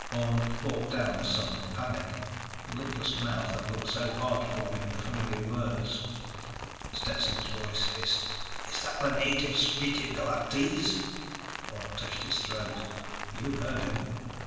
Orne fought down a sudden panic. The lipless mouth had looked so odd forming the familiar words. Stetson's voice hissed: "Is that the native speaking Galactese?" Orne touched his throat. _"You heard him."